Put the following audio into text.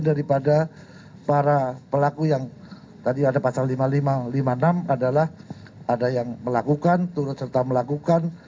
daripada para pelaku yang tadi ada pasal lima ribu lima ratus lima puluh enam adalah ada yang melakukan turut serta melakukan